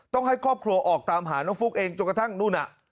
ต้องให้ครอบครัวออกตามหาน้องฟุ๊กเองจนกระทั่งนู่นน่ะ